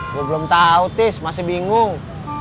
gue belum tahu tis masih bingung